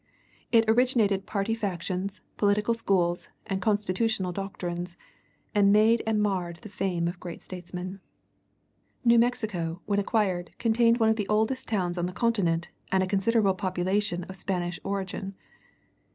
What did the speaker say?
It originated party factions, political schools, and constitutional doctrines, and made and marred the fame of great statesmen. New Mexico, when acquired, contained one of the oldest towns on the continent, and a considerable population of Spanish origin.